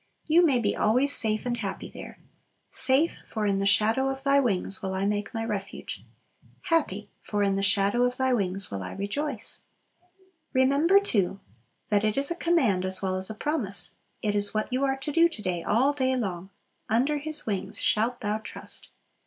You may be always safe and happy there. Safe, for "in the shadow of Thy wings will I make my refuge." Happy, for "in the shadow of Thy wings will I rejoice." Remember, too, that it is a command as well as a promise; it is what you are to do to day, all day long: "Under His wings shalt thou trust!"